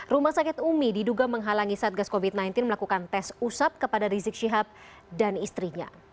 rumah sakit umi diduga menghalangi satgas covid sembilan belas melakukan tes usap kepada rizik syihab dan istrinya